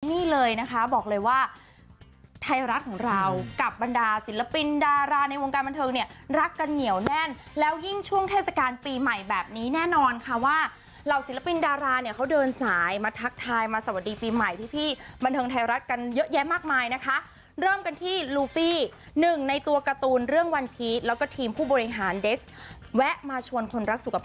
นี่เลยนะคะบอกเลยว่าไทยรัฐของเรากับบรรดาศิลปินดาราในวงการบันเทิงเนี่ยรักกันเหนียวแน่นแล้วยิ่งช่วงเทศกาลปีใหม่แบบนี้แน่นอนค่ะว่าเหล่าศิลปินดาราเนี่ยเขาเดินสายมาทักทายมาสวัสดีปีใหม่พี่พี่บันเทิงไทยรัฐกันเยอะแยะมากมายนะคะเริ่มกันที่ลูฟี่หนึ่งในตัวการ์ตูนเรื่องวันพีชแล้วก็ทีมผู้บริหารเด็กแวะมาชวนคนรักสุขภาพ